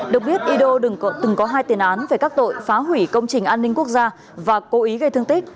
được biết ido từng có hai tiền án về các tội phá hủy công trình an ninh quốc gia và cố ý gây thương tích